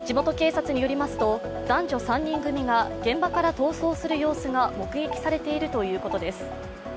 地元警察によりますと、男女３人組が現場から逃走する様子が目撃されているということです。